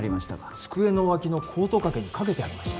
机の脇のコート掛けに掛けてありました